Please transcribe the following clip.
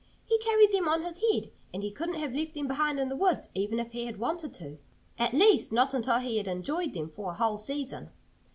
He carried them on his head. And he couldn't have left them behind in the woods even if he had wanted to at least not until he had enjoyed them for a whole season.